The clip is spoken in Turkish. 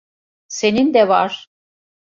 Senin de var.